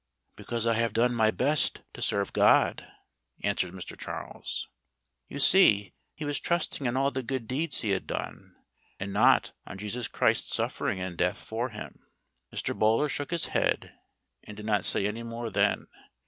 "Because I have done my best to serve God," answered Mr. Charles. You see, he was trusting in all the good deeds he had done, and not on Jesus Christ's suffering and death for him. Mr. Böhler shook his head, and did not say any more then.